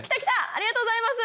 ありがとうございます。